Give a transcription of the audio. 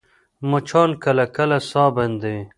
مچان کله کله ساه بندوي